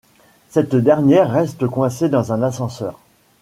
Cette dernière reste coincée dans un ascenseur.